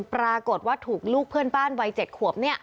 ปรากฏว่าถูกลูกเพื่อนบ้านวัย๗ขวบ